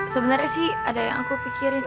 sebenarnya sih ada yang aku pikirin